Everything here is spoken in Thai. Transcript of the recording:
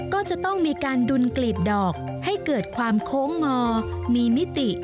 ก็จะต้องมีการดุลกลีบดอกให้เกิดความโค้งงอมีมิติ